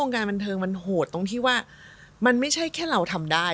การบันเทิงมันโหดตรงที่ว่ามันไม่ใช่แค่เราทำได้